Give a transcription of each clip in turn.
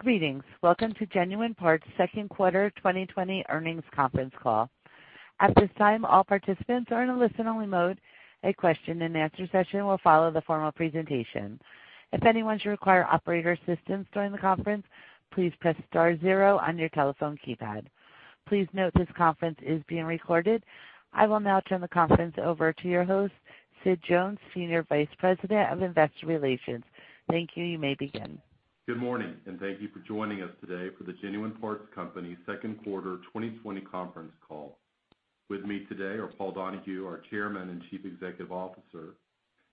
Greetings. Welcome to Genuine Parts' second quarter 2020 earnings conference call. At this time, all participants are in a listen-only mode. A question-and-answer session will follow the formal presentation. If anyone should require operator assistance during the conference, please press star zero on your telephone keypad. Please note this conference is being recorded. I will now turn the conference over to your host, Sid Jones, Senior Vice President of Investor Relations. Thank you. You may begin. Good morning, and thank you for joining us today for the Genuine Parts Company second quarter 2020 conference call. With me today are Paul Donahue, our Chairman and Chief Executive Officer,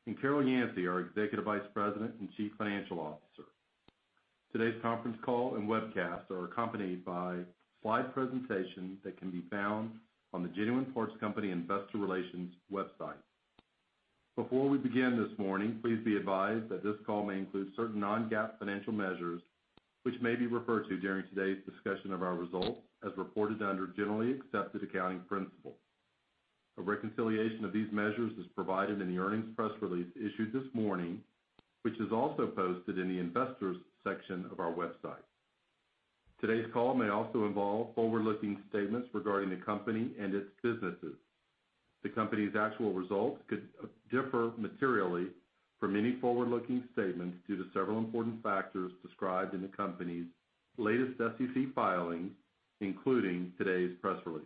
and Carol Yancey, our Executive Vice President and Chief Financial Officer. Today's conference call and webcast are accompanied by a slide presentation that can be found on the Genuine Parts Company investor relations website. Before we begin this morning, please be advised that this call may include certain non-GAAP financial measures which may be referred to during today's discussion of our results as reported under generally accepted accounting principles. A reconciliation of these measures is provided in the earnings press release issued this morning, which is also posted in the investors section of our website. Today's call may also involve forward-looking statements regarding the company and its businesses. The company's actual results could differ materially from any forward-looking statements due to several important factors described in the company's latest SEC filings, including today's press release.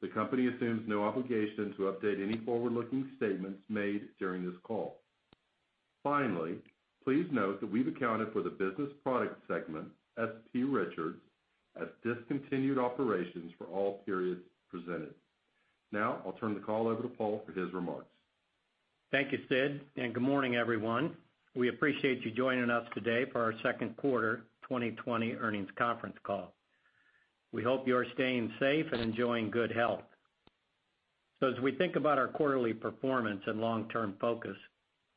The company assumes no obligation to update any forward-looking statements made during this call. Finally, please note that we've accounted for the business product segment, S.P. Richards, as discontinued operations for all periods presented. Now, I'll turn the call over to Paul for his remarks. Thank you, Sid. Good morning, everyone. We appreciate you joining us today for our second quarter 2020 earnings conference call. We hope you're staying safe and enjoying good health. As we think about our quarterly performance and long-term focus,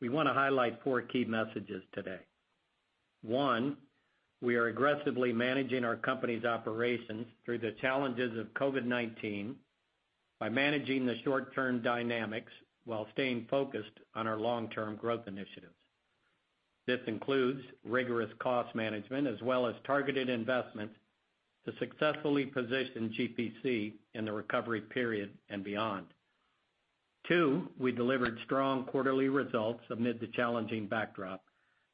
we want to highlight four key messages today. One, we are aggressively managing our company's operations through the challenges of COVID-19 by managing the short-term dynamics while staying focused on our long-term growth initiatives. This includes rigorous cost management as well as targeted investments to successfully position GPC in the recovery period and beyond. Two, we delivered strong quarterly results amid the challenging backdrop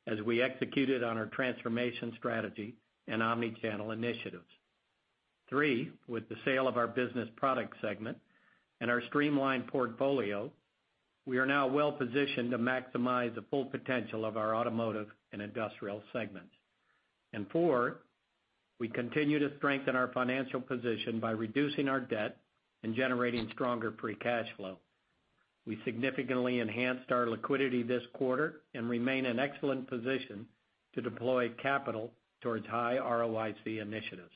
as we executed on our transformation strategy and omni-channel initiatives. Three, with the sale of our business product segment and our streamlined portfolio, we are now well-positioned to maximize the full potential of our automotive and industrial segments. Four, we continue to strengthen our financial position by reducing our debt and generating stronger free cash flow. We significantly enhanced our liquidity this quarter and remain in an excellent position to deploy capital towards high ROIC initiatives.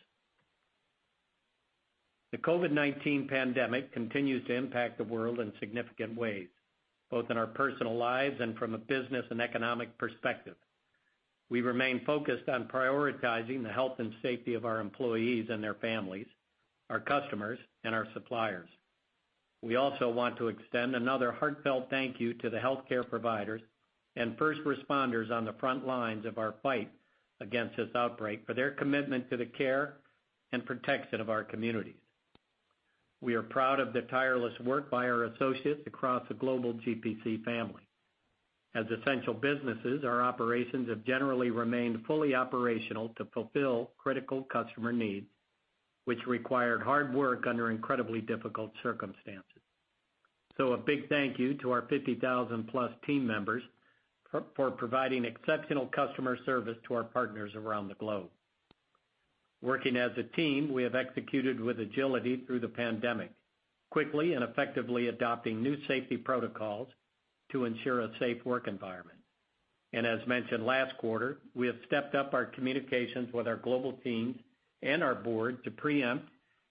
The COVID-19 pandemic continues to impact the world in significant ways, both in our personal lives and from a business and economic perspective. We remain focused on prioritizing the health and safety of our employees and their families, our customers, and our suppliers. We also want to extend another heartfelt thank you to the healthcare providers and first responders on the front lines of our fight against this outbreak for their commitment to the care and protection of our communities. We are proud of the tireless work by our associates across the global GPC family. As essential businesses, our operations have generally remained fully operational to fulfill critical customer needs, which required hard work under incredibly difficult circumstances. A big thank you to our 50,000-plus team members for providing exceptional customer service to our partners around the globe. Working as a team, we have executed with agility through the pandemic, quickly and effectively adopting new safety protocols to ensure a safe work environment. As mentioned last quarter, we have stepped up our communications with our global teams and our board to preempt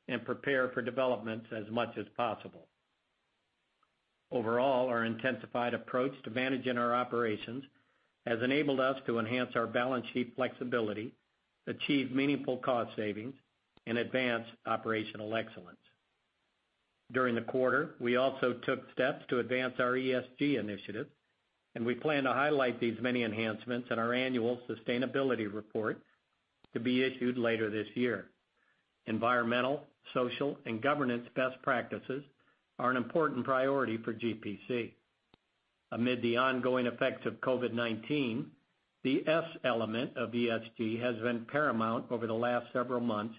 and prepare for developments as much as possible. Overall, our intensified approach to managing our operations has enabled us to enhance our balance sheet flexibility, achieve meaningful cost savings, and advance operational excellence. During the quarter, we also took steps to advance our ESG initiative, and we plan to highlight these many enhancements in our annual sustainability report to be issued later this year. Environmental, social, and governance best practices are an important priority for GPC. Amid the ongoing effects of COVID-19, the S element of ESG has been paramount over the last several months,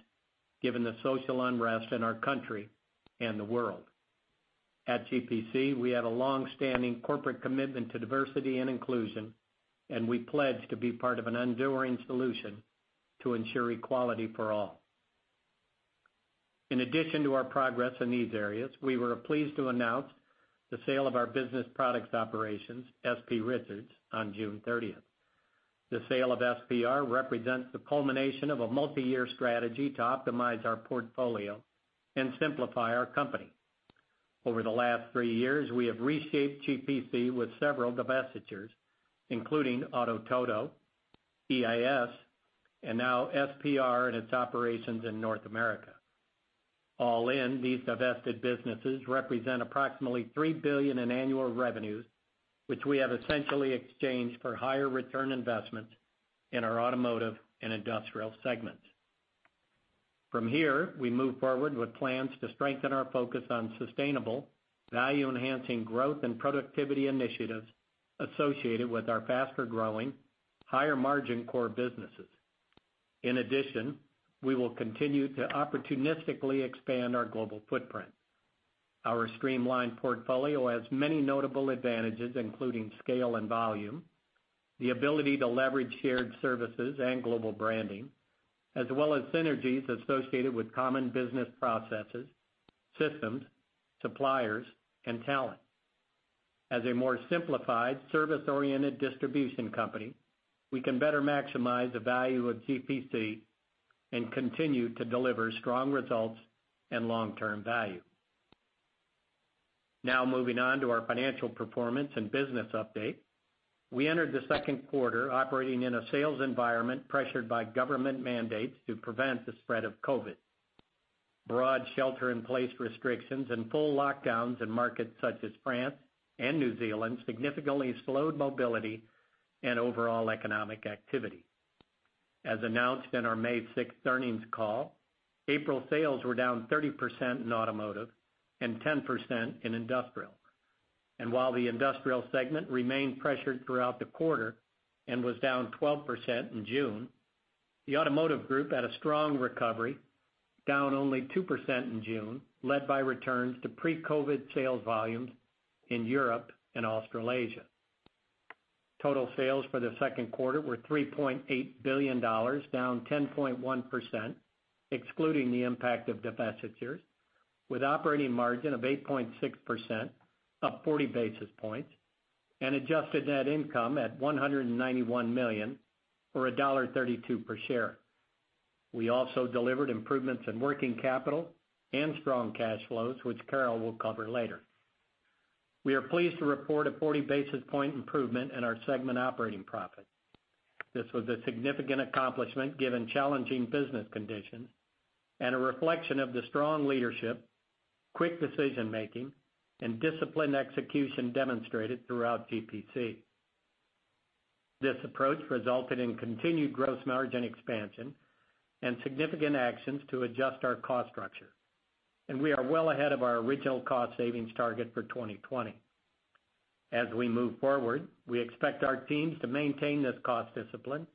given the social unrest in our country and the world. At GPC, we have a long-standing corporate commitment to diversity and inclusion, and we pledge to be part of an enduring solution to ensure equality for all. In addition to our progress in these areas, we were pleased to announce the sale of our business products operations, S.P. Richards, on June 30th. The sale of SPR represents the culmination of a multi-year strategy to optimize our portfolio and simplify our company. Over the last three years, we have reshaped GPC with several divestitures, including Auto Todo, EIS, and now S.P. Richards and its operations in North America. All in, these divested businesses represent approximately $3 billion in annual revenues, which we have essentially exchanged for higher return investment in our automotive and industrial segments. From here, we move forward with plans to strengthen our focus on sustainable, value-enhancing growth and productivity initiatives associated with our faster-growing, higher-margin core businesses. In addition, we will continue to opportunistically expand our global footprint. Our streamlined portfolio has many notable advantages, including scale and volume, the ability to leverage shared services and global branding, as well as synergies associated with common business processes, systems, suppliers, and talent. As a more simplified, service-oriented distribution company, we can better maximize the value of GPC and continue to deliver strong results and long-term value. Now moving on to our financial performance and business update. We entered the second quarter operating in a sales environment pressured by government mandates to prevent the spread of COVID. Broad shelter-in-place restrictions and full lockdowns in markets such as France and New Zealand significantly slowed mobility and overall economic activity. As announced in our May 6th earnings call, April sales were down 30% in automotive and 10% in industrial. While the industrial segment remained pressured throughout the quarter and was down 12% in June, the automotive group had a strong recovery, down only 2% in June, led by returns to pre-COVID sales volumes in Europe and Australasia. Total sales for the second quarter were $3.8 billion, down 10.1%, excluding the impact of divestitures, with operating margin of 8.6%, up 40 basis points, and adjusted net income at $191 million, or $1.32 per share. We also delivered improvements in working capital and strong cash flows, which Carol will cover later. We are pleased to report a 40 basis point improvement in our segment operating profit. This was a significant accomplishment, given challenging business conditions, and a reflection of the strong leadership, quick decision-making, and disciplined execution demonstrated throughout GPC. This approach resulted in continued gross margin expansion and significant actions to adjust our cost structure, and we are well ahead of our original cost savings target for 2020. As we move forward, we expect our teams to maintain this cost discipline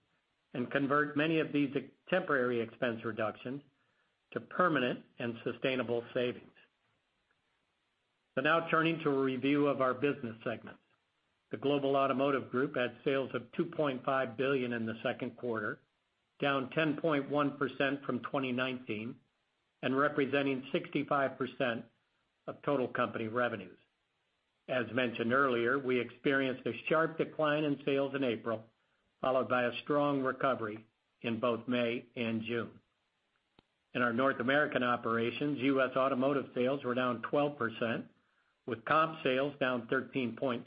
and convert many of these temporary expense reductions to permanent and sustainable savings. Now turning to a review of our business segments. The Global Automotive Group had sales of $2.5 billion in the second quarter, down 10.1% from 2019, and representing 65% of total company revenues. As mentioned earlier, we experienced a sharp decline in sales in April, followed by a strong recovery in both May and June. In our North American operations, U.S. automotive sales were down 12%, with comp sales down 13.8%.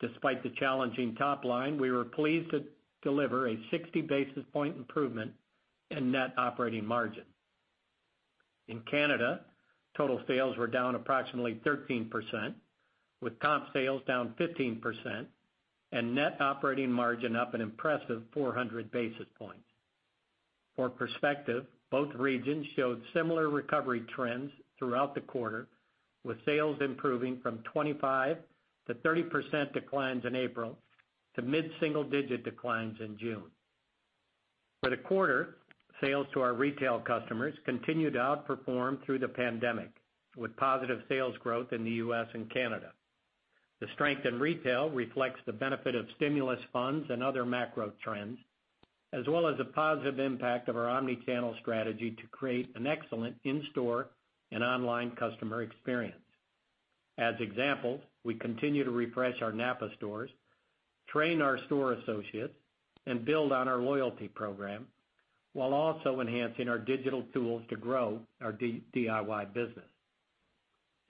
Despite the challenging top line, we were pleased to deliver a 60 basis point improvement in net operating margin. In Canada, total sales were down approximately 13%, with comp sales down 15% and net operating margin up an impressive 400 basis points. For perspective, both regions showed similar recovery trends throughout the quarter, with sales improving from 25%-30% declines in April to mid-single-digit declines in June. For the quarter, sales to our retail customers continued to outperform through the pandemic, with positive sales growth in the U.S. and Canada. The strength in retail reflects the benefit of stimulus funds and other macro trends, as well as the positive impact of our omni-channel strategy to create an excellent in-store and online customer experience. As examples, we continue to refresh our NAPA stores, train our store associates, and build on our loyalty program, while also enhancing our digital tools to grow our DIY business.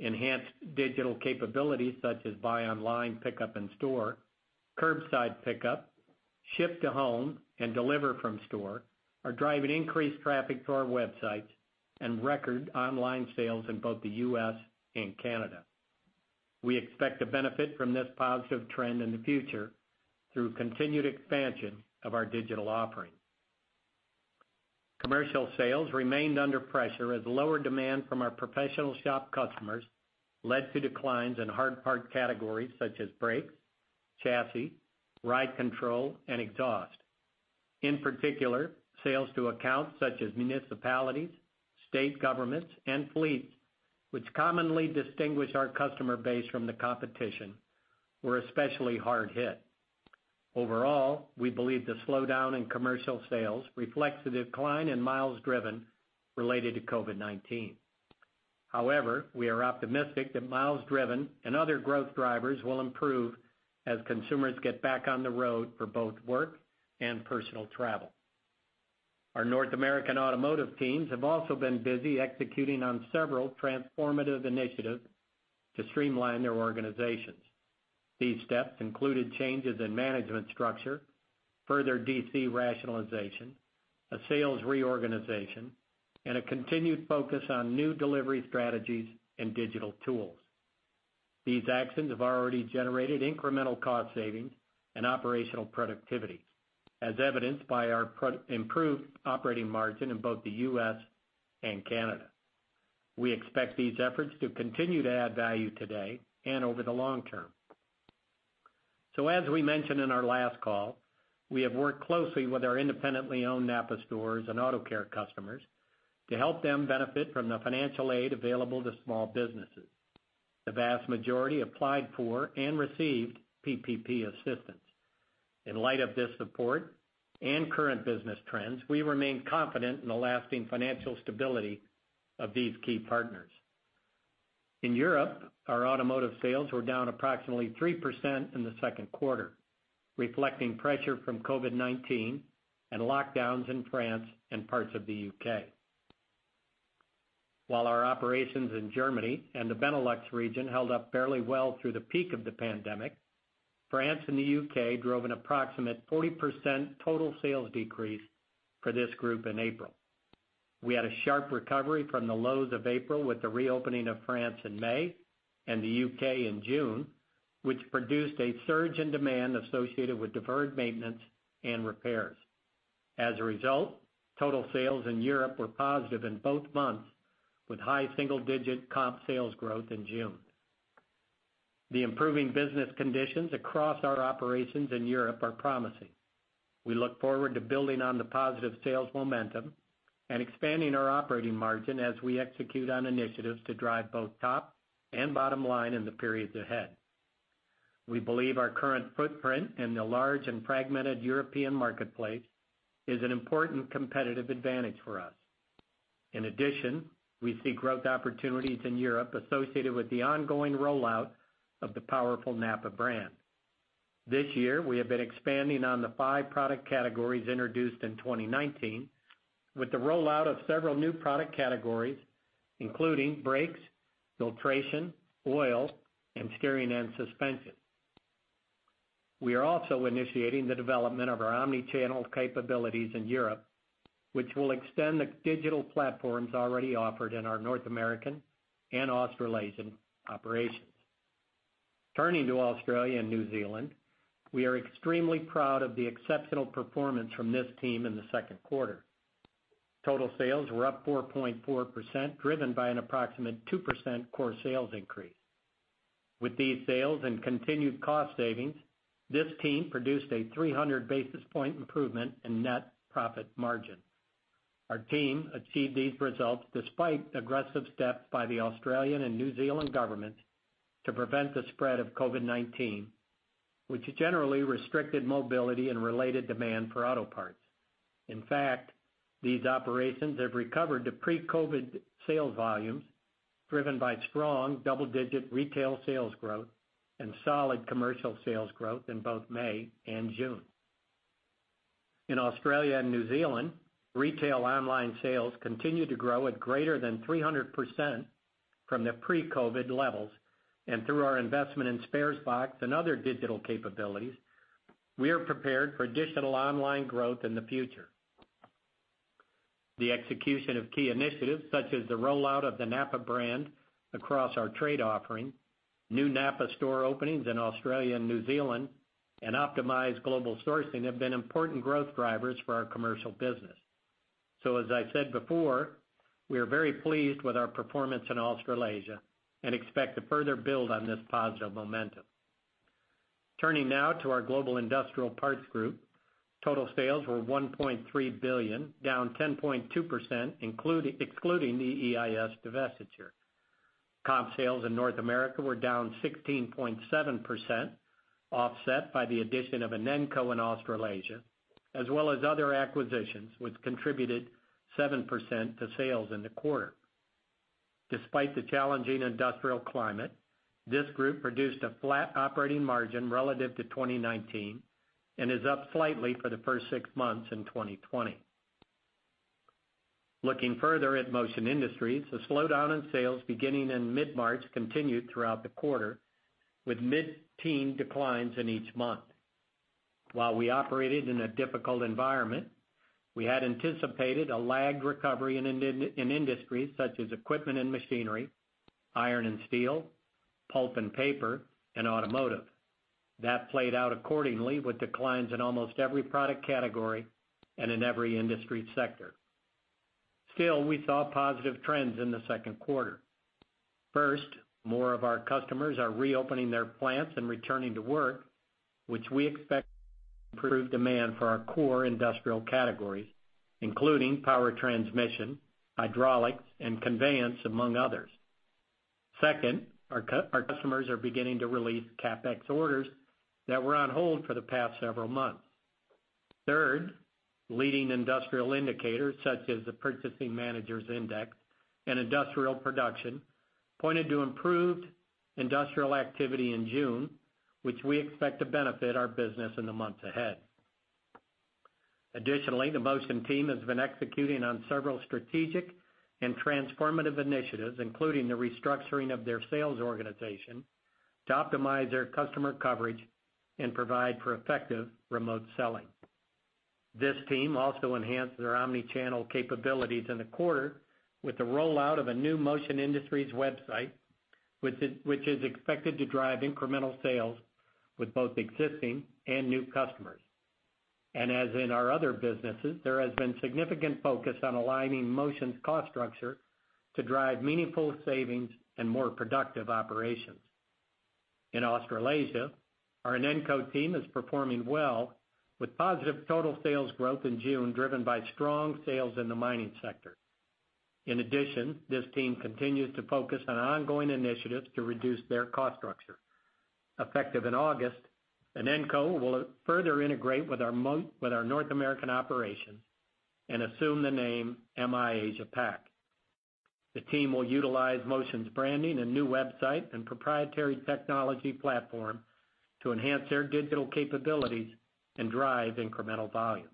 Enhanced digital capabilities such as buy online, pickup in store, curbside pickup, ship to home, and deliver from store are driving increased traffic to our websites and record online sales in both the U.S. and Canada. We expect to benefit from this positive trend in the future through continued expansion of our digital offerings. Commercial sales remained under pressure as lower demand from our professional shop customers led to declines in hard part categories such as brakes, chassis, ride control, and exhaust. In particular, sales to accounts such as municipalities, state governments, and fleets, which commonly distinguish our customer base from the competition, were especially hard hit. Overall, we believe the slowdown in commercial sales reflects the decline in miles driven related to COVID-19. However, we are optimistic that miles driven and other growth drivers will improve as consumers get back on the road for both work and personal travel. Our North American automotive teams have also been busy executing on several transformative initiatives to streamline their organizations. These steps included changes in management structure, further DC rationalization, a sales reorganization, and a continued focus on new delivery strategies and digital tools. These actions have already generated incremental cost savings and operational productivity, as evidenced by our improved operating margin in both the U.S. and Canada. We expect these efforts to continue to add value today and over the long term. As we mentioned in our last call, we have worked closely with our independently owned NAPA stores and NAPA AutoCare customers to help them benefit from the financial aid available to small businesses. The vast majority applied for and received PPP assistance. In light of this support and current business trends, we remain confident in the lasting financial stability of these key partners. In Europe, our automotive sales were down approximately 3% in the second quarter, reflecting pressure from COVID-19 and lockdowns in France and parts of the U.K. While our operations in Germany and the Benelux region held up fairly well through the peak of the pandemic, France and the U.K. drove an approximate 40% total sales decrease for this group in April. We had a sharp recovery from the lows of April with the reopening of France in May and the U.K. in June, which produced a surge in demand associated with deferred maintenance and repairs. As a result, total sales in Europe were positive in both months, with high single-digit comp sales growth in June. The improving business conditions across our operations in Europe are promising. We look forward to building on the positive sales momentum and expanding our operating margin as we execute on initiatives to drive both top and bottom line in the periods ahead. We believe our current footprint in the large and fragmented European marketplace is an important competitive advantage for us. In addition, we see growth opportunities in Europe associated with the ongoing rollout of the powerful NAPA brand. This year, we have been expanding on the five product categories introduced in 2019 with the rollout of several new product categories, including brakes, filtration, oil, and steering and suspension. We are also initiating the development of our omni-channel capabilities in Europe, which will extend the digital platforms already offered in our North American and Australasian operations. Turning to Australia and New Zealand, we are extremely proud of the exceptional performance from this team in the second quarter. Total sales were up 4.4%, driven by an approximate 2% core sales increase. With these sales and continued cost savings, this team produced a 300 basis point improvement in net profit margin. Our team achieved these results despite aggressive steps by the Australian and New Zealand government to prevent the spread of COVID-19, which generally restricted mobility and related demand for auto parts. In fact, these operations have recovered to pre-COVID-19 sales volumes, driven by strong double-digit retail sales growth and solid commercial sales growth in both May and June. In Australia and New Zealand, retail online sales continue to grow at greater than 300% from the pre-COVID-19 levels. Through our investment in Sparesbox and other digital capabilities, we are prepared for additional online growth in the future. The execution of key initiatives, such as the rollout of the NAPA brand across our trade offering, new NAPA store openings in Australia and New Zealand, and optimized global sourcing, have been important growth drivers for our commercial business. As I said before, we are very pleased with our performance in Australasia and expect to further build on this positive momentum. Turning now to our Global Industrial Parts Group, total sales were $1.3 billion, down 10.2%, excluding the EIS divestiture. Comp sales in North America were down 16.7%, offset by the addition of Inenco in Australasia, as well as other acquisitions, which contributed 7% to sales in the quarter. Despite the challenging industrial climate, this group produced a flat operating margin relative to 2019 and is up slightly for the first six months in 2020. Looking further at Motion Industries, the slowdown in sales beginning in mid-March continued throughout the quarter, with mid-teen declines in each month. While we operated in a difficult environment, we had anticipated a lagged recovery in industries such as equipment and machinery, iron and steel, pulp and paper, and automotive. That played out accordingly with declines in almost every product category and in every industry sector. Still, we saw positive trends in the second quarter. First, more of our customers are reopening their plants and returning to work, which we expect improved demand for our core industrial categories, including power transmission, hydraulics, and conveyance, among others. Second, our customers are beginning to release CapEx orders that were on hold for the past several months. Third, leading industrial indicators such as the Purchasing Managers' Index and industrial production pointed to improved industrial activity in June, which we expect to benefit our business in the months ahead. Additionally, the Motion team has been executing on several strategic and transformative initiatives, including the restructuring of their sales organization to optimize their customer coverage and provide for effective remote selling. This team also enhanced their omni-channel capabilities in the quarter with the rollout of a new Motion Industries website, which is expected to drive incremental sales with both existing and new customers. As in our other businesses, there has been significant focus on aligning Motion's cost structure to drive meaningful savings and more productive operations. In Australasia, our Inenco team is performing well with positive total sales growth in June, driven by strong sales in the mining sector. In addition, this team continues to focus on ongoing initiatives to reduce their cost structure. Effective in August, Inenco will further integrate with our North American operations and assume the name MI Asia Pac. The team will utilize Motion's branding, a new website, and proprietary technology platform to enhance their digital capabilities and drive incremental volume.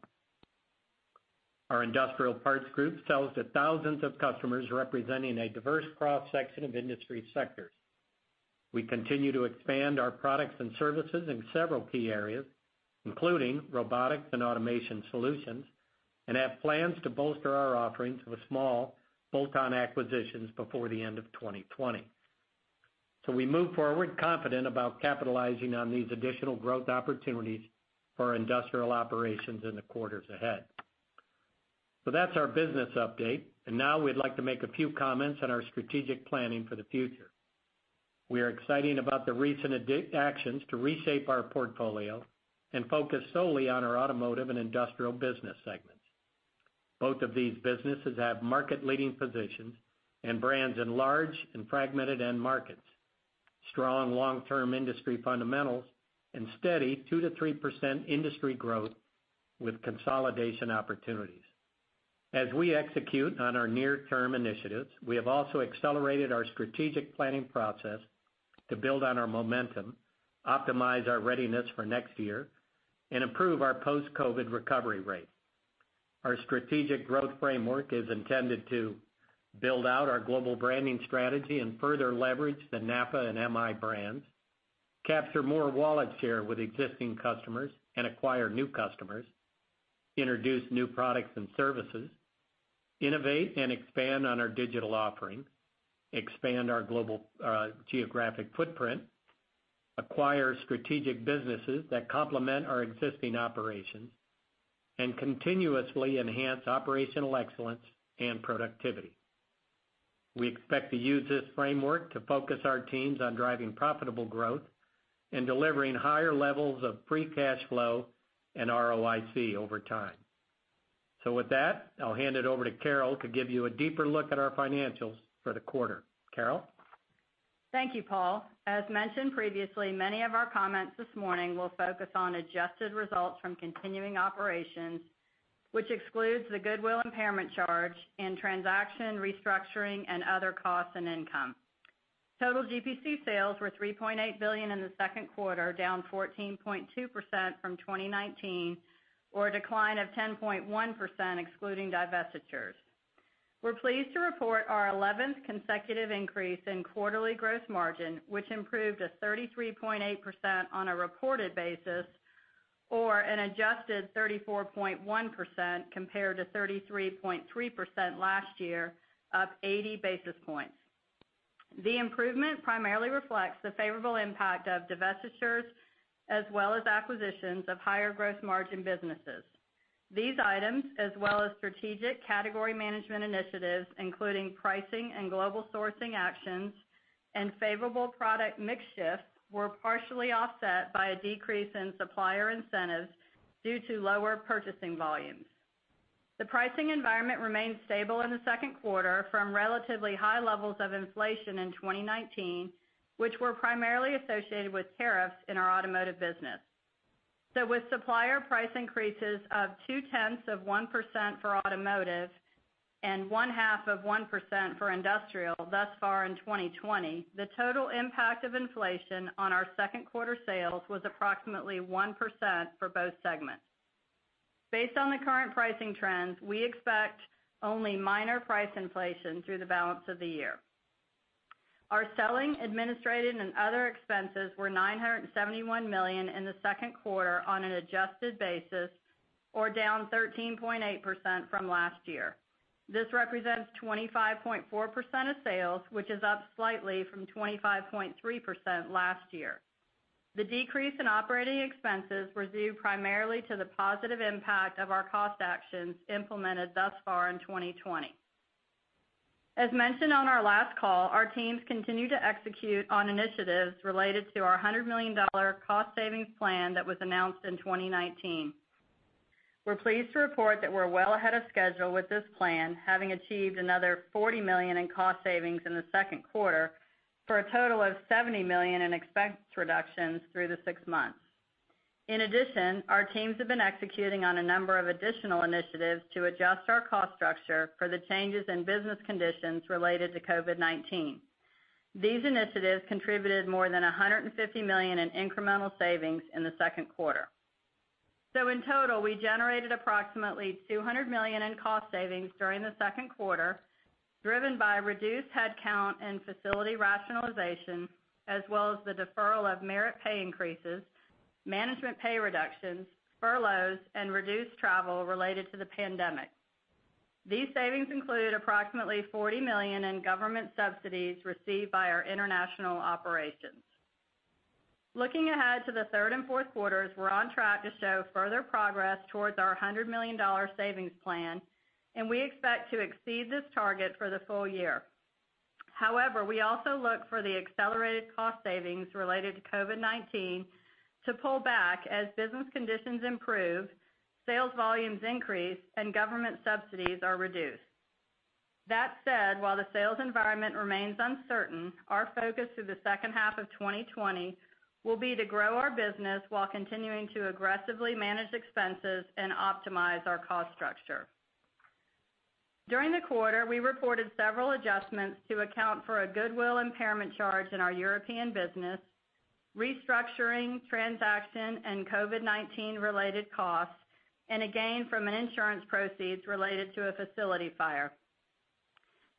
Our Global Industrial Parts Group sells to thousands of customers representing a diverse cross-section of industry sectors. We continue to expand our products and services in several key areas, including robotics and automation solutions, and have plans to bolster our offerings with small bolt-on acquisitions before the end of 2020. We move forward confident about capitalizing on these additional growth opportunities for our industrial operations in the quarters ahead. That's our business update, and now we'd like to make a few comments on our strategic planning for the future. We are excited about the recent actions to reshape our portfolio and focus solely on our automotive and industrial business segments. Both of these businesses have market-leading positions and brands in large and fragmented end markets, strong long-term industry fundamentals, and steady 2%-3% industry growth with consolidation opportunities. As we execute on our near-term initiatives, we have also accelerated our strategic planning process to build on our momentum, optimize our readiness for next year, and improve our post-COVID recovery rate. Our strategic growth framework is intended to build out our global branding strategy and further leverage the NAPA and MI brands, capture more wallet share with existing customers and acquire new customers, introduce new products and services, innovate and expand on our digital offerings, expand our global geographic footprint, acquire strategic businesses that complement our existing operations, and continuously enhance operational excellence and productivity. We expect to use this framework to focus our teams on driving profitable growth and delivering higher levels of free cash flow and ROIC over time. With that, I'll hand it over to Carol to give you a deeper look at our financials for the quarter. Carol? Thank you, Paul. As mentioned previously, many of our comments this morning will focus on adjusted results from continuing operations, which excludes the goodwill impairment charge and transaction, restructuring, and other costs and income. Total GPC sales were $3.8 billion in the second quarter, down 14.2% from 2019, or a decline of 10.1% excluding divestitures. We're pleased to report our 11th consecutive increase in quarterly gross margin, which improved to 33.8% on a reported basis or an adjusted 34.1% compared to 33.3% last year, up 80 basis points. The improvement primarily reflects the favorable impact of divestitures as well as acquisitions of higher gross margin businesses. These items, as well as strategic category management initiatives, including pricing and global sourcing actions and favorable product mix shifts, were partially offset by a decrease in supplier incentives due to lower purchasing volumes. The pricing environment remained stable in the second quarter from relatively high levels of inflation in 2019, which were primarily associated with tariffs in our automotive business. With supplier price increases of two-tenths of 1% for automotive and one-half of 1% for industrial thus far in 2020, the total impact of inflation on our second quarter sales was approximately 1% for both segments. Based on the current pricing trends, we expect only minor price inflation through the balance of the year. Our selling, administrative, and other expenses were $971 million in the second quarter on an adjusted basis, or down 13.8% from last year. This represents 25.4% of sales, which is up slightly from 25.3% last year. The decrease in operating expenses was due primarily to the positive impact of our cost actions implemented thus far in 2020. As mentioned on our last call, our teams continue to execute on initiatives related to our $100 million cost savings plan that was announced in 2019. We're pleased to report that we're well ahead of schedule with this plan, having achieved another $40 million in cost savings in the second quarter for a total of $70 million in expense reductions through the six months. In addition, our teams have been executing on a number of additional initiatives to adjust our cost structure for the changes in business conditions related to COVID-19. These initiatives contributed more than $150 million in incremental savings in the second quarter. In total, we generated approximately $200 million in cost savings during the second quarter, driven by reduced headcount and facility rationalization, as well as the deferral of merit pay increases, management pay reductions, furloughs, and reduced travel related to the pandemic. These savings include approximately $40 million in government subsidies received by our international operations. Looking ahead to the third and fourth quarters, we're on track to show further progress towards our $100 million savings plan, and we expect to exceed this target for the full year. We also look for the accelerated cost savings related to COVID-19 to pull back as business conditions improve, sales volumes increase, and government subsidies are reduced. While the sales environment remains uncertain, our focus through the second half of 2020 will be to grow our business while continuing to aggressively manage expenses and optimize our cost structure. During the quarter, we reported several adjustments to account for a goodwill impairment charge in our European business, restructuring transaction and COVID-19 related costs, and a gain from an insurance proceeds related to a facility fire.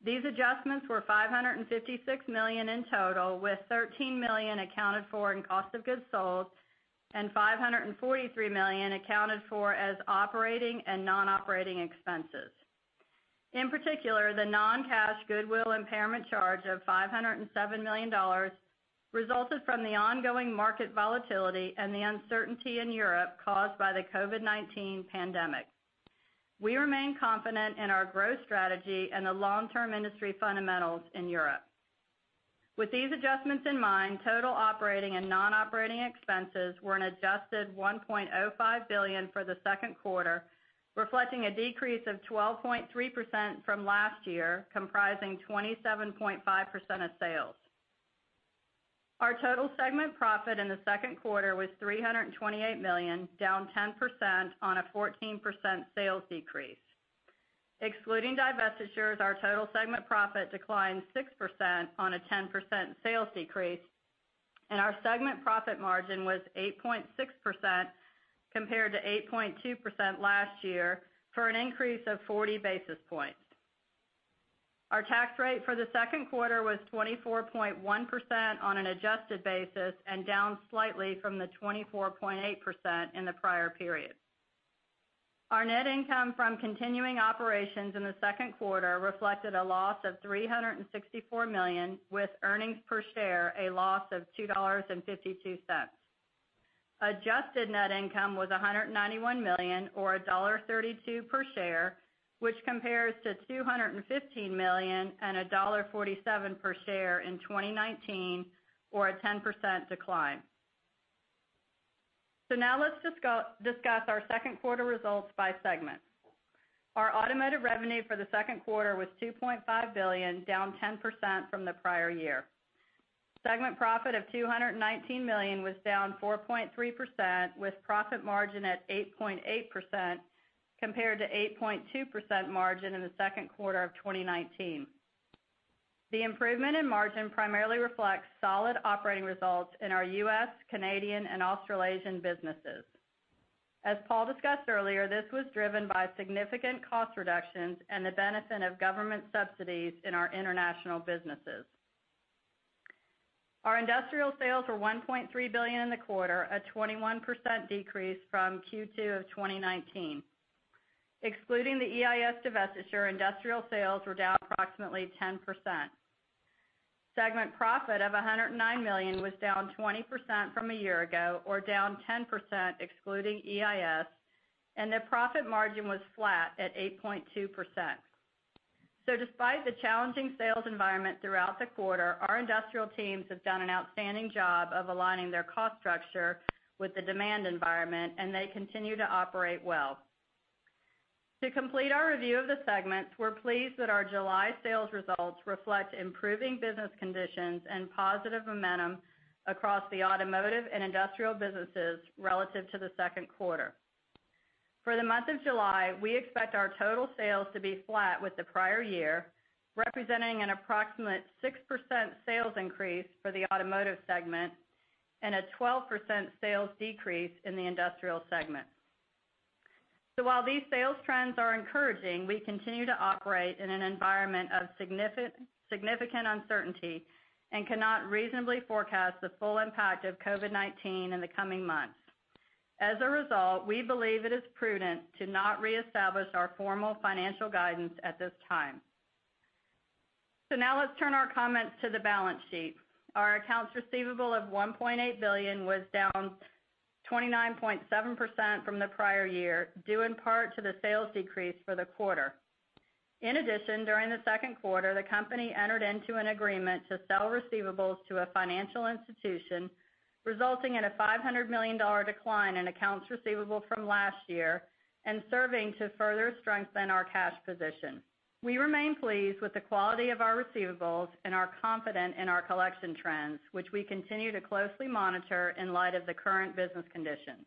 These adjustments were $556 million in total, with $13 million accounted for in cost of goods sold and $543 million accounted for as operating and non-operating expenses. In particular, the non-cash goodwill impairment charge of $507 million resulted from the ongoing market volatility and the uncertainty in Europe caused by the COVID-19 pandemic. We remain confident in our growth strategy and the long-term industry fundamentals in Europe. With these adjustments in mind, total operating and non-operating expenses were an adjusted $1.05 billion for the second quarter, reflecting a decrease of 12.3% from last year, comprising 27.5% of sales. Our total segment profit in the second quarter was $328 million, down 10% on a 14% sales decrease. Excluding divestitures, our total segment profit declined 6% on a 10% sales decrease, and our segment profit margin was 8.6% compared to 8.2% last year, for an increase of 40 basis points. Our tax rate for the second quarter was 24.1% on an adjusted basis and down slightly from the 24.8% in the prior period. Our net income from continuing operations in the second quarter reflected a loss of $364 million, with earnings per share a loss of $2.52. Adjusted net income was $191 million, or $1.32 per share, which compares to $215 million and $1.47 per share in 2019, or a 10% decline. Now let's discuss our second quarter results by segment. Our automotive revenue for the second quarter was $2.5 billion, down 10% from the prior year. Segment profit of $219 million was down 4.3%, with profit margin at 8.8%, compared to 8.2% margin in the second quarter of 2019. The improvement in margin primarily reflects solid operating results in our U.S., Canadian, and Australasian businesses. As Paul discussed earlier, this was driven by significant cost reductions and the benefit of government subsidies in our international businesses. Our industrial sales were $1.3 billion in the quarter, a 21% decrease from Q2 of 2019. Excluding the EIS divestiture, industrial sales were down approximately 10%. Segment profit of $109 million was down 20% from a year ago, or down 10% excluding EIS, and the profit margin was flat at 8.2%. Despite the challenging sales environment throughout the quarter, our industrial teams have done an outstanding job of aligning their cost structure with the demand environment, and they continue to operate well. To complete our review of the segments, we're pleased that our July sales results reflect improving business conditions and positive momentum across the automotive and industrial businesses relative to the second quarter. For the month of July, we expect our total sales to be flat with the prior year, representing an approximate 6% sales increase for the automotive segment and a 12% sales decrease in the industrial segment. While these sales trends are encouraging, we continue to operate in an environment of significant uncertainty and cannot reasonably forecast the full impact of COVID-19 in the coming months. As a result, we believe it is prudent to not reestablish our formal financial guidance at this time. Now let's turn our comments to the balance sheet. Our accounts receivable of $1.8 billion was down 29.7% from the prior year, due in part to the sales decrease for the quarter. In addition, during the second quarter, the company entered into an agreement to sell receivables to a financial institution, resulting in a $500 million decline in accounts receivable from last year and serving to further strengthen our cash position. We remain pleased with the quality of our receivables and are confident in our collection trends, which we continue to closely monitor in light of the current business conditions.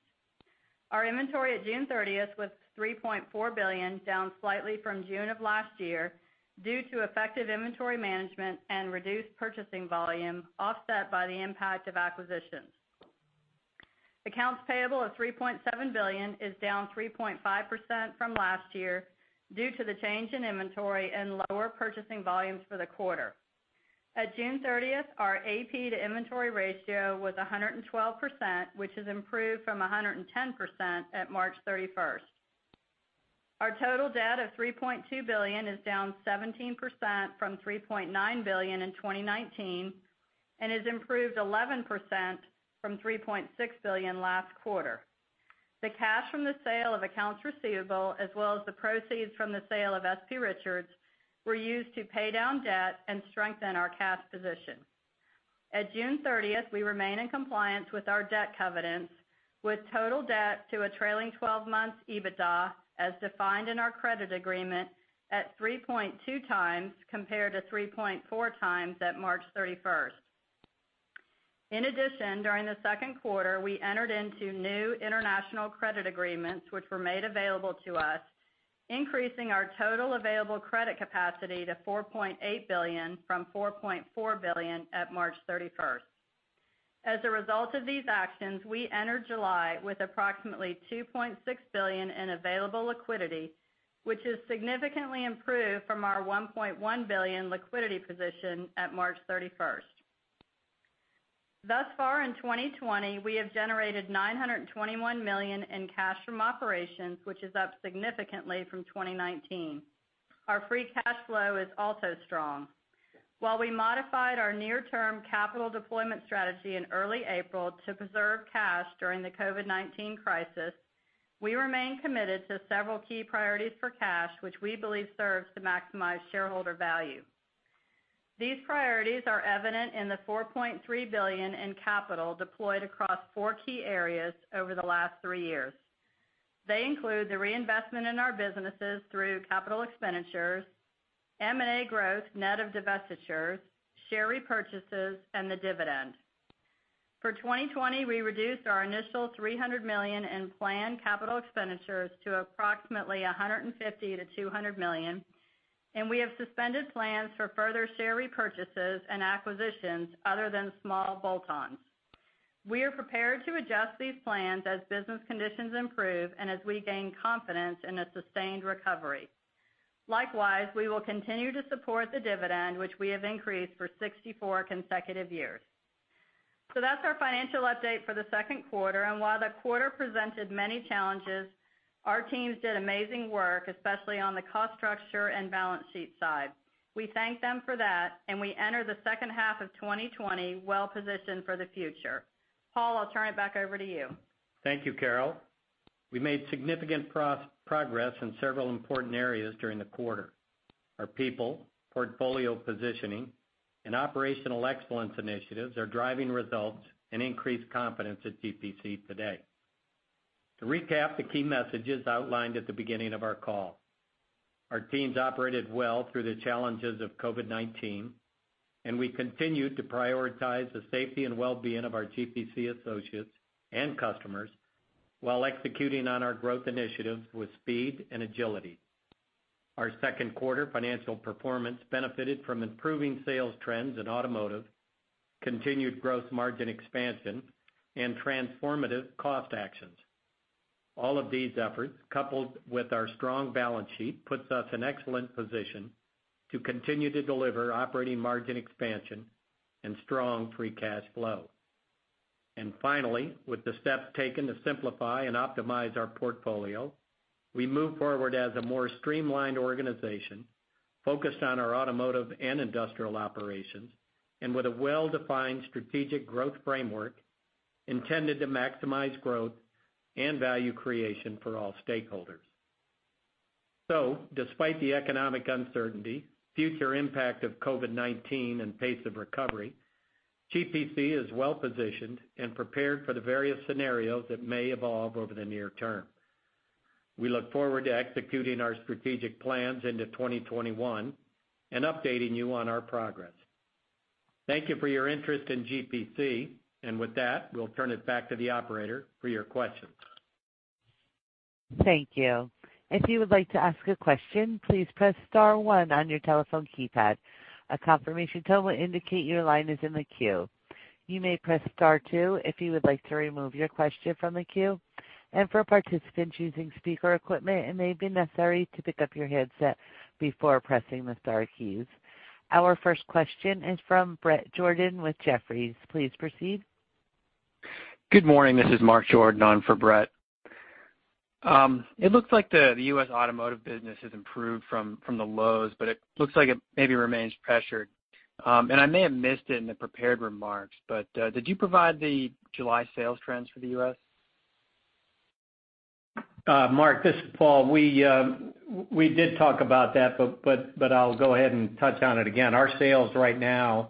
Our inventory at June 30th was $3.4 billion, down slightly from June of last year due to effective inventory management and reduced purchasing volume, offset by the impact of acquisitions. Accounts payable of $3.7 billion is down 3.5% from last year due to the change in inventory and lower purchasing volumes for the quarter. At June 30th, our AP to inventory ratio was 112%, which has improved from 110% at March 31st. Our total debt of $3.2 billion is down 17% from $3.9 billion in 2019, and has improved 11% from $3.6 billion last quarter. The cash from the sale of accounts receivable, as well as the proceeds from the sale of S.P. Richards, were used to pay down debt and strengthen our cash position. At June 30th, we remain in compliance with our debt covenants, with total debt to a trailing 12 months EBITDA, as defined in our credit agreement, at 3.2x compared to 3.4x at March 31st. In addition, during the second quarter, we entered into new international credit agreements, which were made available to us, increasing our total available credit capacity to $4.8 billion from $4.4 billion at March 31st. As a result of these actions, we entered July with approximately $2.6 billion in available liquidity, which is significantly improved from our $1.1 billion liquidity position at March 31st. Thus far in 2020, we have generated $921 million in cash from operations, which is up significantly from 2019. Our free cash flow is also strong. While we modified our near-term capital deployment strategy in early April to preserve cash during the COVID-19 crisis, we remain committed to several key priorities for cash, which we believe serves to maximize shareholder value. These priorities are evident in the $4.3 billion in capital deployed across four key areas over the last three years. They include the reinvestment in our businesses through capital expenditures, M&A growth net of divestitures, share repurchases, and the dividend. For 2020, we reduced our initial $300 million in planned capital expenditures to approximately $150 million-$200 million, and we have suspended plans for further share repurchases and acquisitions other than small bolt-ons. We are prepared to adjust these plans as business conditions improve and as we gain confidence in a sustained recovery. Likewise, we will continue to support the dividend, which we have increased for 64 consecutive years. That's our financial update for the second quarter, and while the quarter presented many challenges, our teams did amazing work, especially on the cost structure and balance sheet side. We thank them for that, and we enter the second half of 2020 well-positioned for the future. Paul, I'll turn it back over to you. Thank you, Carol. We made significant progress in several important areas during the quarter. Our people, portfolio positioning, and operational excellence initiatives are driving results and increased confidence at GPC today. To recap the key messages outlined at the beginning of our call, our teams operated well through the challenges of COVID-19, and we continued to prioritize the safety and wellbeing of our GPC associates and customers while executing on our growth initiatives with speed and agility. Our second quarter financial performance benefited from improving sales trends in automotive, continued growth margin expansion, and transformative cost actions. All of these efforts, coupled with our strong balance sheet, puts us in excellent position to continue to deliver operating margin expansion and strong free cash flow. Finally, with the steps taken to simplify and optimize our portfolio, we move forward as a more streamlined organization focused on our automotive and industrial operations, and with a well-defined strategic growth framework intended to maximize growth and value creation for all stakeholders. Despite the economic uncertainty, future impact of COVID-19, and pace of recovery, GPC is well-positioned and prepared for the various scenarios that may evolve over the near term. We look forward to executing our strategic plans into 2021 and updating you on our progress. Thank you for your interest in GPC. With that, we'll turn it back to the operator for your questions. Thank you. If you would like to ask a question, please press star one on your telephone keypad. A confirmation tone will indicate your line is in the queue. You may press star two if you would like to remove your question from the queue. For participants using speaker equipment, it may be necessary to pick up your headset before pressing the star keys. Our first question is from Bret Jordan with Jefferies. Please proceed. Good morning. This is Mark Jordan on for Bret. It looks like the U.S. automotive business has improved from the lows, but it looks like it maybe remains pressured. I may have missed it in the prepared remarks, but did you provide the July sales trends for the U.S.? Mark, this is Paul. We did talk about that, but I'll go ahead and touch on it again. Our sales right now,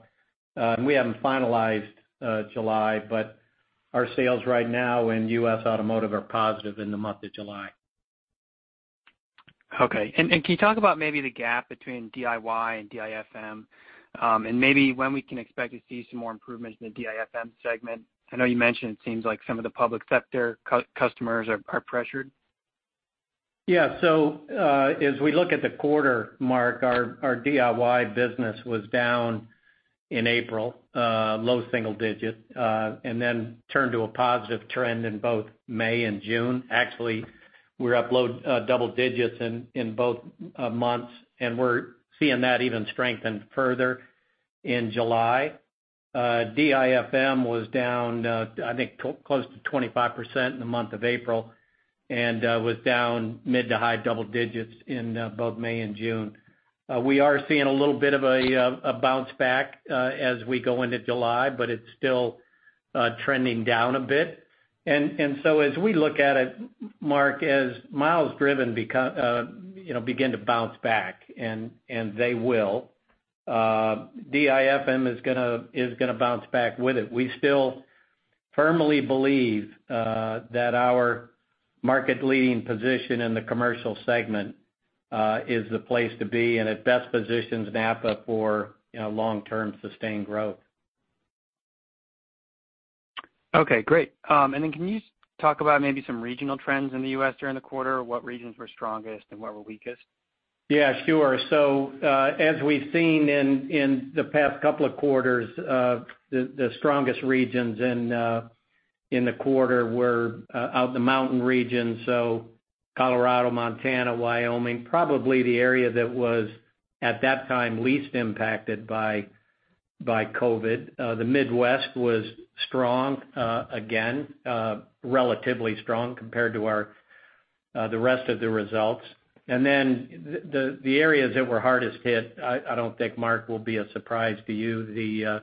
and we haven't finalized July, but our sales right now in U.S. automotive are positive in the month of July. Okay. Can you talk about maybe the gap between DIY and DIFM, and maybe when we can expect to see some more improvements in the DIFM segment? I know you mentioned it seems like some of the public sector customers are pressured. As we look at the quarter, Mark, our DIY business was down in April, low single digits, and then turned to a positive trend in both May and June. Actually, we're up double digits in both months, and we're seeing that even strengthen further in July. DIFM was down, I think, close to 25% in the month of April, and was down mid to high double digits in both May and June. We are seeing a little bit of a bounce back as we go into July, it's still trending down a bit. As we look at it, Mark, as miles driven begin to bounce back, and they will, DIFM is going to bounce back with it. We still firmly believe that our market leading position in the commercial segment is the place to be and it best positions NAPA for long-term sustained growth. Okay, great. Can you talk about maybe some regional trends in the U.S. during the quarter? What regions were strongest and where were weakest? Yeah, sure. As we've seen in the past couple of quarters, the strongest regions in the quarter were out in the mountain region, so Colorado, Montana, Wyoming, probably the area that was, at that time, least impacted by COVID-19. The Midwest was strong, again, relatively strong compared to the rest of the results. The areas that were hardest hit, I don't think, Mark, will be a surprise to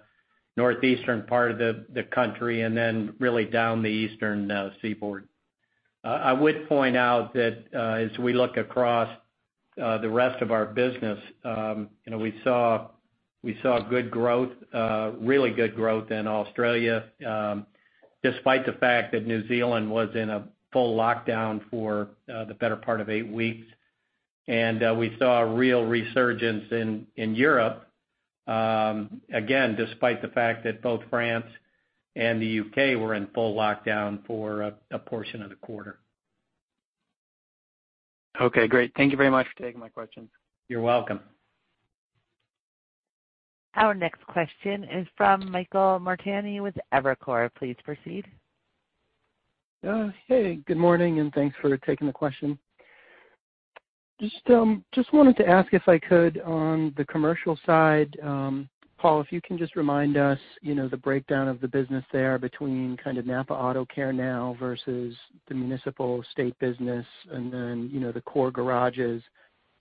you, the northeastern part of the country and then really down the eastern seaboard. I would point out that as we look across the rest of our business, we saw good growth, really good growth in Australia, despite the fact that New Zealand was in a full lockdown for the better part of eight weeks. We saw a real resurgence in Europe, again, despite the fact that both France and the U.K. were in full lockdown for a portion of the quarter. Okay, great. Thank you very much for taking my questions. You're welcome. Our next question is from Michael Montani with Evercore. Please proceed. Hey, good morning, and thanks for taking the question. Just wanted to ask if I could, on the commercial side, Paul, if you can just remind us the breakdown of the business there between kind of NAPA AutoCare now versus the municipal state business and then the core garages,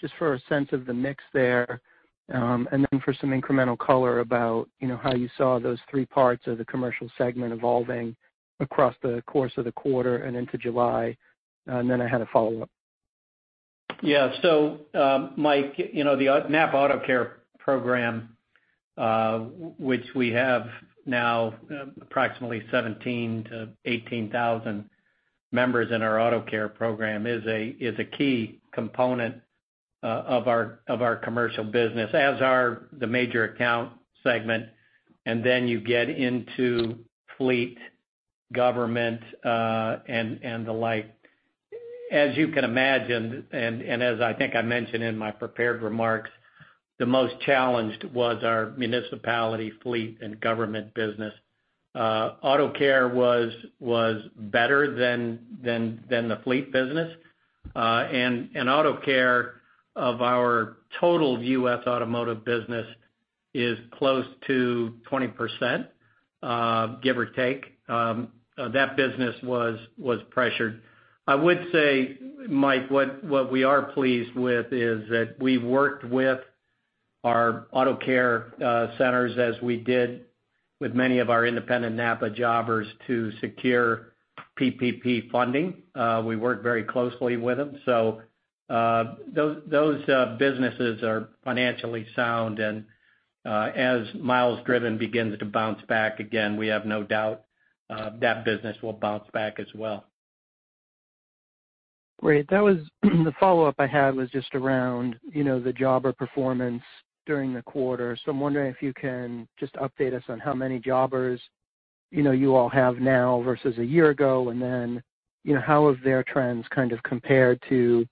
just for a sense of the mix there. Then for some incremental color about how you saw those three parts of the commercial segment evolving across the course of the quarter and into July. Then I had a follow-up. Yeah. Mike, the NAPA AutoCare program, which we have now approximately 17,000-18,000 members in our AutoCare program, is a key component of our commercial business, as are the major account segment, and then you get into fleet, government, and the like. As you can imagine, and as I think I mentioned in my prepared remarks, the most challenged was our municipality fleet and government business. AutoCare was better than the fleet business. AutoCare of our total U.S. automotive business is close to 20%, give or take. That business was pressured. I would say, Mike, what we are pleased with is that we worked with our AutoCare centers as we did with many of our independent NAPA jobbers to secure PPP funding. We work very closely with them. Those businesses are financially sound and as miles driven begins to bounce back again, we have no doubt that business will bounce back as well. Great. The follow-up I had was just around the jobber performance during the quarter. I'm wondering if you can just update us on how many jobbers you all have now versus a year ago, and then how have their trends kind of compared to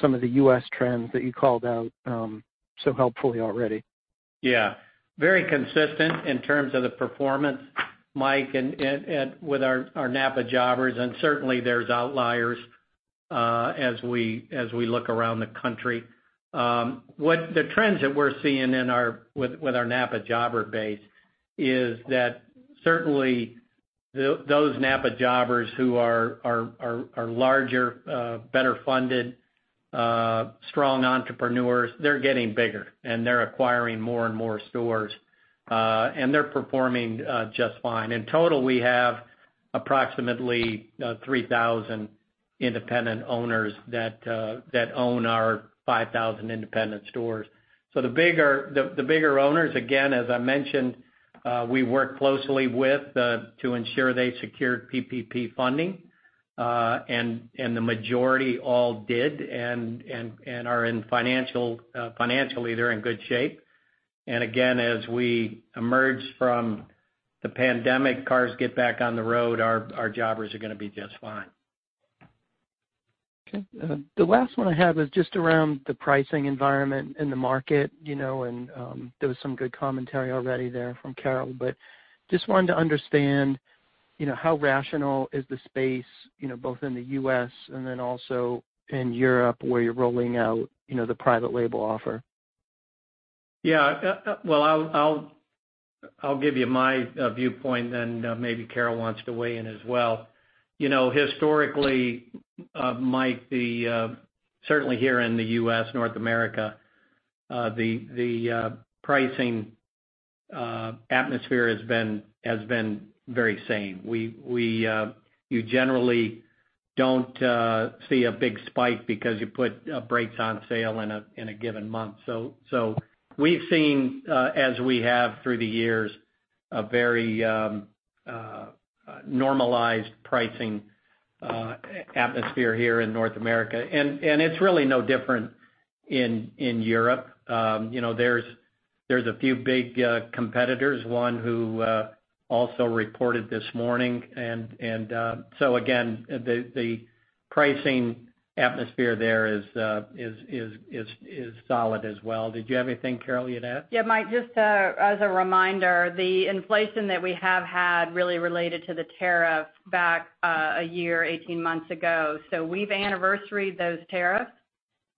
some of the U.S. trends that you called out so helpfully already? Very consistent in terms of the performance, Mike, with our NAPA jobbers. Certainly there's outliers as we look around the country. The trends that we're seeing with our NAPA jobber base is that certainly those NAPA jobbers who are larger, better funded, strong entrepreneurs, they're getting bigger and they're acquiring more and more stores. They're performing just fine. In total, we have approximately 3,000 independent owners that own our 5,000 independent stores. The bigger owners, again, as I mentioned, we work closely with to ensure they secured PPP funding, and the majority all did and financially, they're in good shape. Again, as we emerge from the pandemic, cars get back on the road, our jobbers are going to be just fine. Okay. The last one I have is just around the pricing environment in the market, and there was some good commentary already there from Carol, but just wanted to understand, how rational is the space, both in the U.S. and then also in Europe where you're rolling out the private label offer? Yeah. I'll give you my viewpoint then maybe Carol wants to weigh in as well. Historically, Mike, certainly here in the U.S., North America, the pricing atmosphere has been very sane. You generally don't see a big spike because you put brakes on sale in a given month. We've seen, as we have through the years, a very normalized pricing atmosphere here in North America, and it's really no different in Europe. There's a few big competitors, one who also reported this morning, again, the pricing atmosphere there is solid as well. Did you have anything, Carol, you'd add? Yeah, Mike, just as a reminder, the inflation that we have had really related to the tariff back one year, 18 months ago. We've anniversaried those tariffs,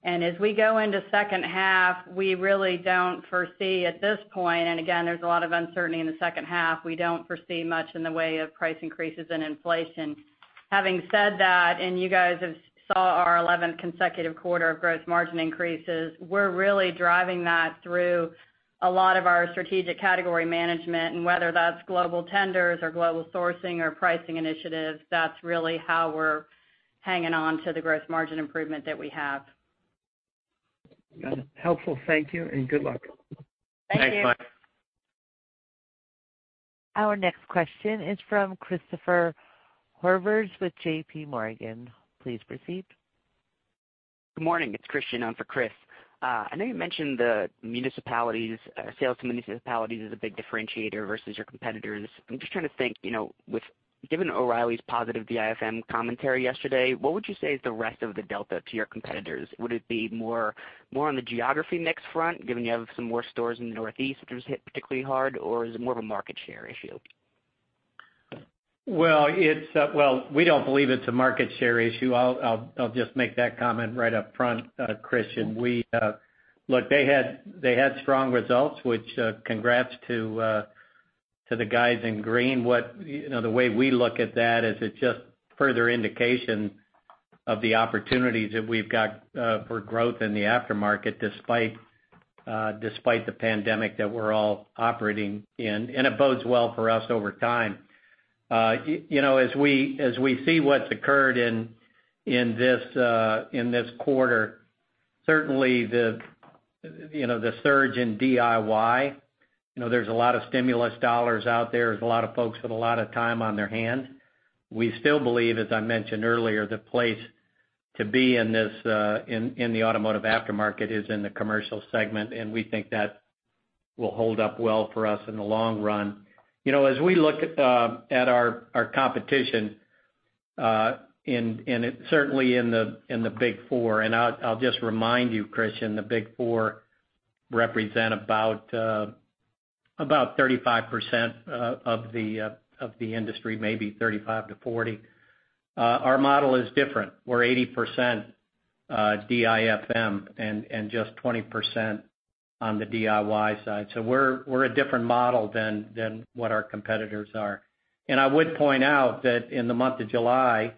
and as we go into second half, we really don't foresee at this point, and again, there's a lot of uncertainty in the second half, we don't foresee much in the way of price increases in inflation. Having said that, and you guys have saw our 11th consecutive quarter of gross margin increases, we're really driving that through a lot of our strategic category management, and whether that's global tenders or global sourcing or pricing initiatives, that's really how we're hanging on to the gross margin improvement that we have. Got it. Helpful. Thank you, and good luck. Thank you. Thanks, Mike. Our next question is from Christopher Horvers with JPMorgan. Please proceed. Good morning. It's Christian on for Chris. I know you mentioned the sales to municipalities is a big differentiator versus your competitors. I'm just trying to think, given O'Reilly's positive DIFM commentary yesterday, what would you say is the rest of the delta to your competitors? Would it be more on the geography mix front, given you have some more stores in the Northeast, which was hit particularly hard, or is it more of a market share issue? We don't believe it's a market share issue. I'll just make that comment right up front, Christian. Look, they had strong results, which, congrats to the guys in green. The way we look at that is it's just further indication of the opportunities that we've got for growth in the aftermarket, despite the pandemic that we're all operating in, and it bodes well for us over time. As we see what's occurred in this quarter, certainly the surge in DIY, there's a lot of stimulus dollars out there. There's a lot of folks with a lot of time on their hands. We still believe, as I mentioned earlier, the place to be in the automotive aftermarket is in the commercial segment, and we think that will hold up well for us in the long run. As we look at our competition, and certainly in the Big Four, I'll just remind you, Christian, the Big Four represent about 35% of the industry, maybe 35%-40%. Our model is different. We're 80% DIFM and just 20% on the DIY side. We're a different model than what our competitors are. I would point out that in the month of July,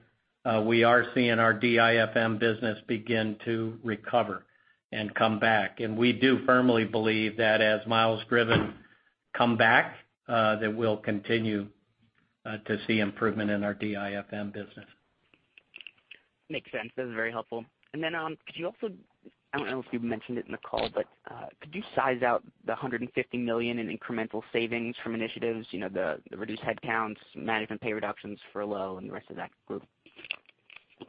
we are seeing our DIFM business begin to recover and come back, and we do firmly believe that as miles driven come back, that we'll continue to see improvement in our DIFM business. Makes sense. That was very helpful. I don't know if you've mentioned it in the call, but could you size out the $150 million in incremental savings from initiatives, the reduced headcounts, management pay reductions for Paul and the rest of that group?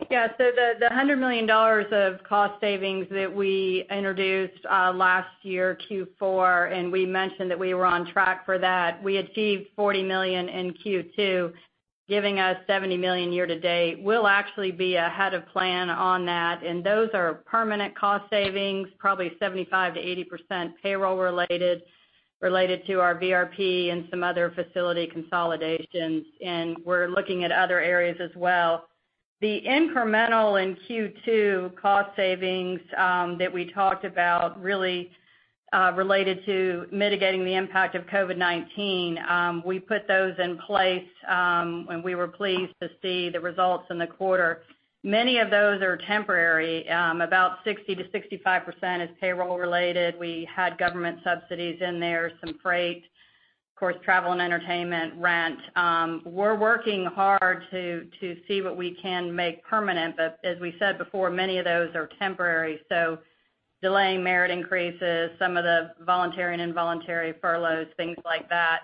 Yeah. The $100 million of cost savings that we introduced last year, Q4, and we mentioned that we were on track for that. We achieved $40 million in Q2, giving us $70 million year to date. We'll actually be ahead of plan on that, and those are permanent cost savings, probably 75%-80% payroll related to our VRP and some other facility consolidations, and we're looking at other areas as well. The incremental in Q2 cost savings that we talked about really related to mitigating the impact of COVID-19, we put those in place, and we were pleased to see the results in the quarter. Many of those are temporary. About 60%-65% is payroll related. We had government subsidies in there, some freight, of course, travel and entertainment, rent. We're working hard to see what we can make permanent, but as we said before, many of those are temporary, so delaying merit increases, some of the voluntary and involuntary furloughs, things like that.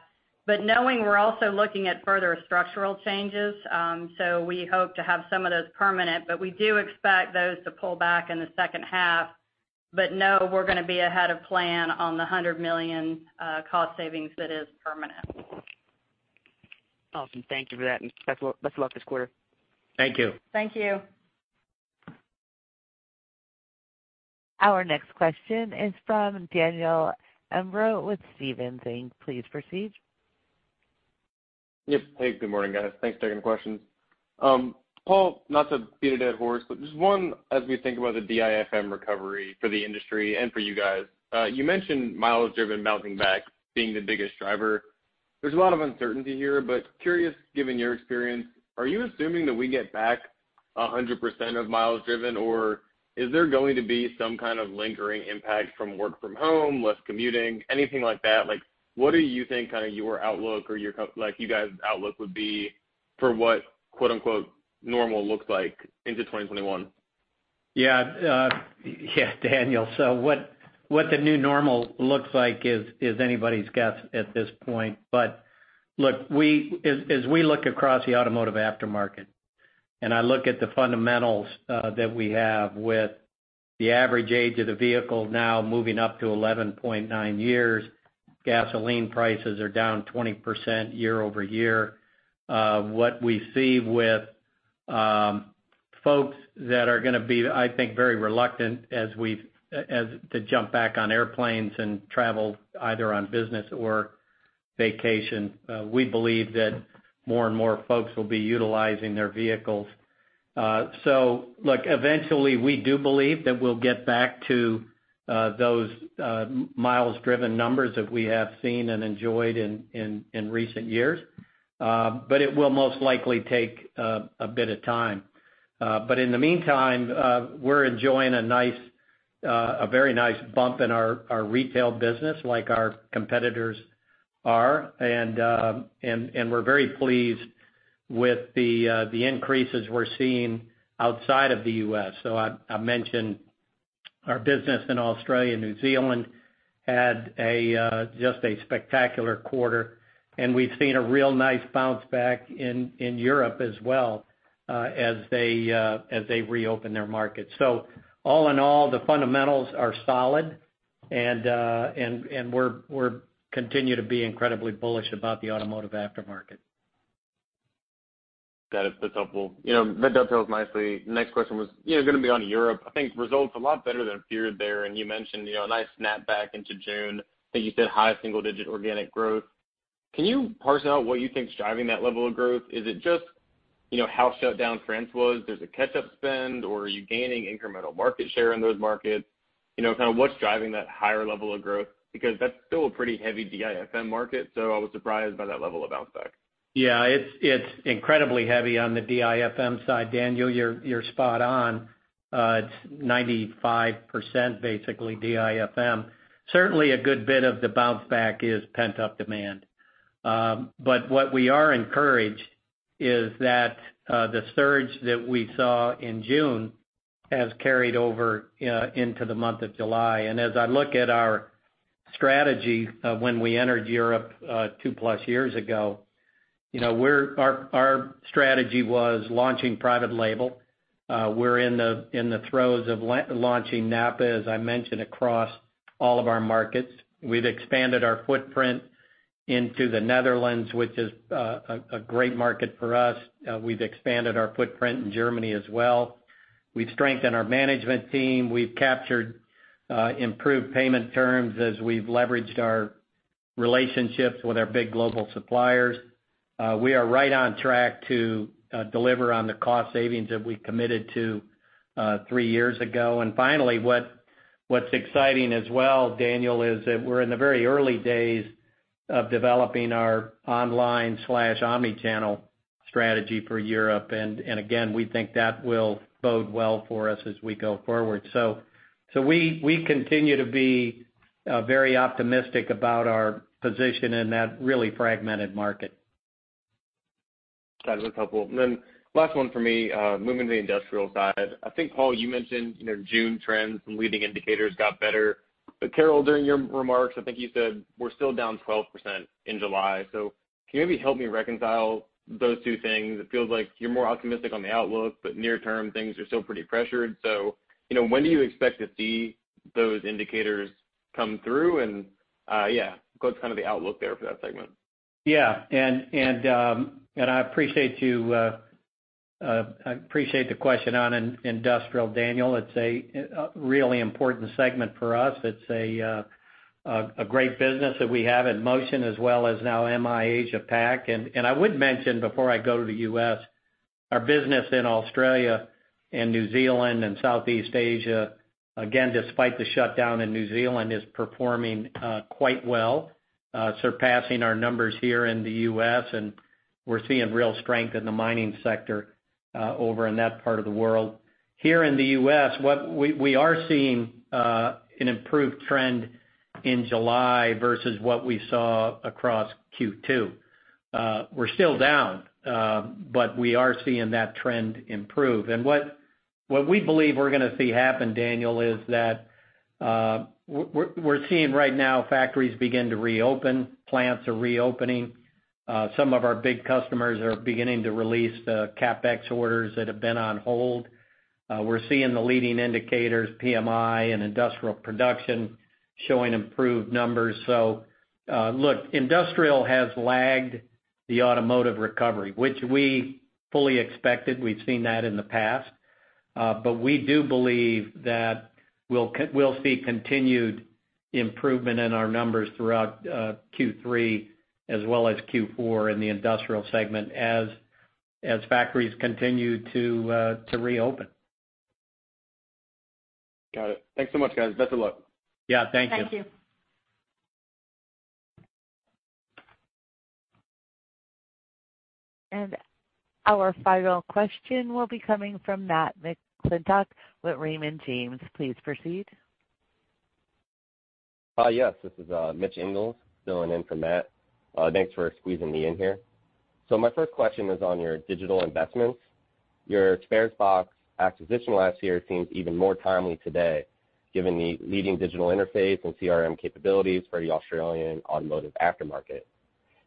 Knowing we're also looking at further structural changes, so we hope to have some of those permanent, but we do expect those to pull back in the second half. No, we're going to be ahead of plan on the $100 million cost savings that is permanent. Awesome. Thank you for that, and best of luck this quarter. Thank you. Thank you. Our next question is from Daniel Imbro with Stephens Inc. Please proceed. Yep. Hey, good morning, guys. Thanks. Taking the questions. Paul, not to beat a dead horse, but just one as we think about the DIFM recovery for the industry and for you guys. You mentioned miles driven bouncing back, being the biggest driver. There's a lot of uncertainty here, but curious, given your experience, are you assuming that we get back 100% of miles driven? Is there going to be some kind of lingering impact from work from home, less commuting, anything like that? What do you think your outlook or you guys' outlook would be for what, quote-unquote, "normal" looks like into 2021? Yeah, Daniel, what the new normal looks like is anybody's guess at this point. Look, as we look across the automotive aftermarket and I look at the fundamentals that we have with the average age of the vehicle now moving up to 11.9 years, gasoline prices are down 20% YoY. What we see with folks that are going to be, I think, very reluctant to jump back on airplanes and travel either on business or vacation. We believe that more and more folks will be utilizing their vehicles. Look, eventually, we do believe that we'll get back to those miles driven numbers that we have seen and enjoyed in recent years. It will most likely take a bit of time. In the meantime, we're enjoying a very nice bump in our retail business like our competitors are. We're very pleased with the increases we're seeing outside of the U.S. I mentioned our business in Australia and New Zealand had just a spectacular quarter, and we've seen a real nice bounce back in Europe as well as they reopen their markets. All in all, the fundamentals are solid and we're continue to be incredibly bullish about the automotive aftermarket. Got it. That's helpful. That dovetails nicely. Next question was going to be on Europe. I think results a lot better than feared there, and you mentioned a nice snap back into June. I think you said high single-digit organic growth. Can you parse out what you think is driving that level of growth? Is it just how shut down France was, there's a catch-up spend, or are you gaining incremental market share in those markets? Kind of what's driving that higher level of growth? That's still a pretty heavy DIFM market, so I was surprised by that level of bounce back. Yeah, it's incredibly heavy on the DIFM side, Daniel. You're spot on. It's 95%, basically DIFM. What we are encouraged is that the surge that we saw in June has carried over into the month of July. As I look at our strategy of when we entered Europe two plus years ago, our strategy was launching private label. We're in the throes of launching NAPA, as I mentioned, across all of our markets. We've expanded our footprint into the Netherlands, which is a great market for us. We've expanded our footprint in Germany as well. We've strengthened our management team. We've captured improved payment terms as we've leveraged our relationships with our big global suppliers. We are right on track to deliver on the cost savings that we committed to three years ago. Finally, what's exciting as well, Daniel, is that we're in the very early days of developing our online/omni-channel strategy for Europe. Again, we think that will bode well for us as we go forward. We continue to be very optimistic about our position in that really fragmented market. Got it. That's helpful. Last one for me, moving to the industrial side. I think, Paul, you mentioned, June trends and leading indicators got better. Carol, during your remarks, I think you said we're still down 12% in July. Can you maybe help me reconcile those two things? It feels like you're more optimistic on the outlook, but near term, things are still pretty pressured. When do you expect to see those indicators come through? What's kind of the outlook there for that segment? Yeah, I appreciate the question on industrial, Daniel. It's a really important segment for us. It's a great business that we have in Motion as well as now MI Asia Pac. I would mention before I go to the U.S., our business in Australia and New Zealand and Southeast Asia, again, despite the shutdown in New Zealand, is performing quite well, surpassing our numbers here in the U.S. and we're seeing real strength in the mining sector over in that part of the world. Here in the U.S., we are seeing an improved trend in July versus what we saw across Q2. We're still down, but we are seeing that trend improve. What we believe we're going to see happen, Daniel, is that we're seeing right now factories begin to reopen. Plants are reopening. Some of our big customers are beginning to release the CapEx orders that have been on hold. We're seeing the leading indicators, PMI and industrial production, showing improved numbers. Look, industrial has lagged the automotive recovery, which we fully expected. We've seen that in the past. We do believe that we'll see continued improvement in our numbers throughout Q3 as well as Q4 in the industrial segment as factories continue to reopen. Got it. Thanks so much, guys. Best of luck. Yeah, thank you. Thank you. Our final question will be coming from Matthew McClintock with Raymond James. Please proceed. Yes, this is Mitch Ingles filling in for Matt. Thanks for squeezing me in here. My first question is on your digital investments. Your Sparesbox acquisition last year seems even more timely today, given the leading digital interface and CRM capabilities for the Australian automotive aftermarket.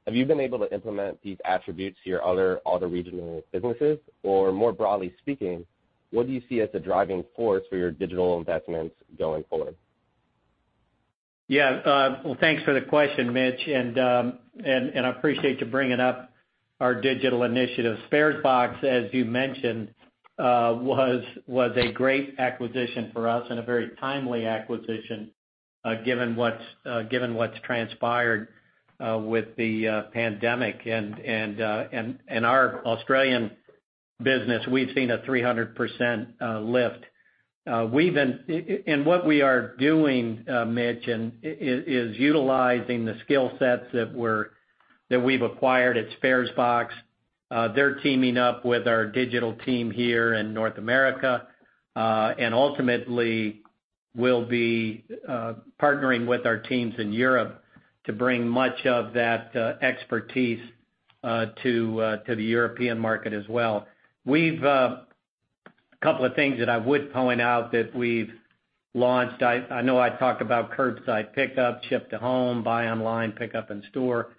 Have you been able to implement these attributes to your other regional businesses? More broadly speaking, what do you see as the driving force for your digital investments going forward? Well, thanks for the question, Mitch, I appreciate you bringing up our digital initiative. Sparesbox, as you mentioned, was a great acquisition for us and a very timely acquisition, given what's transpired with the pandemic. Our Australian business, we've seen a 300% lift. What we are doing, Mitch, is utilizing the skill sets that we've acquired at Sparesbox. They're teaming up with our digital team here in North America. Ultimately, we'll be partnering with our teams in Europe to bring much of that expertise to the European market as well. A couple of things that I would point out that we've launched, I know I talked about curbside pickup, ship to home, buy online, pickup in store,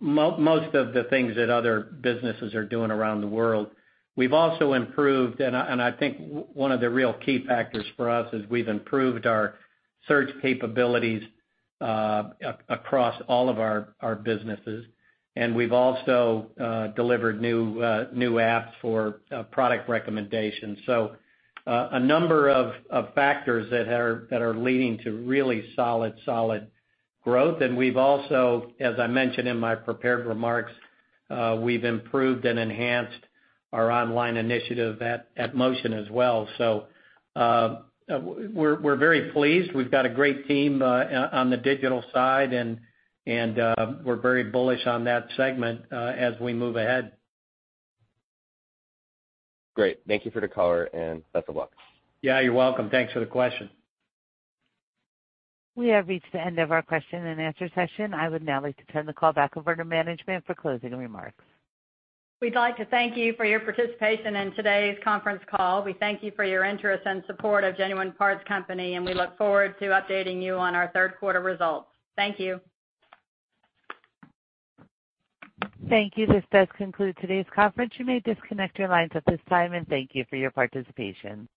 most of the things that other businesses are doing around the world. We've also improved, and I think one of the real key factors for us is we've improved our search capabilities across all of our businesses, and we've also delivered new apps for product recommendations. A number of factors that are leading to really solid growth. We've also, as I mentioned in my prepared remarks, we've improved and enhanced our online initiative at Motion as well. We're very pleased. We've got a great team on the digital side, and we're very bullish on that segment as we move ahead. Great. Thank you for the color, and best of luck. Yeah, you're welcome. Thanks for the question. We have reached the end of our question and answer session. I would now like to turn the call back over to management for closing remarks. We'd like to thank you for your participation in today's conference call. We thank you for your interest and support of Genuine Parts Company, and we look forward to updating you on our third quarter results. Thank you. Thank you. This does conclude today's conference. You may disconnect your lines at this time, and thank you for your participation.